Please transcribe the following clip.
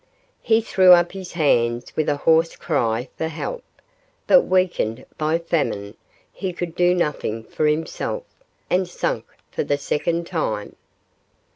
He threw up his hands with a hoarse cry for help, but, weakened by famine, he could do nothing for himself, and sank for the second time.